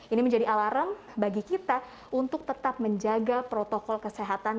ini menjadi alarm bagi kita untuk tetap menjaga protokol kesehatan